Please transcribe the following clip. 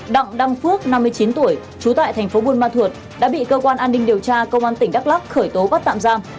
đặng đăng phước năm mươi chín tuổi trú tại thành phố buôn ma thuột đã bị cơ quan an ninh điều tra công an tỉnh đắk lắc khởi tố bắt tạm giam